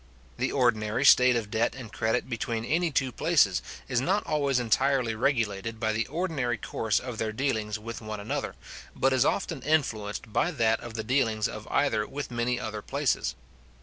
The ordinary state of debt and credit between any two places is not always entirely regulated by the ordinary course of their dealings with one another, but is often influenced by that of the dealings of either with many other places.